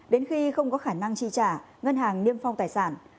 đến khi không có khả năng chi trả ngân hàng niêm phong tài sản